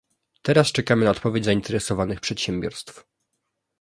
Teraz czekamy na odpowiedź zainteresowanych przedsiębiorstw